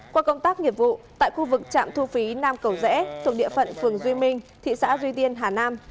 qua công tác nghiệp vụ tại khu vực trạm thu phí nam cầu rẽ thuộc địa phận phường duy minh thị xã duy tiên hà nam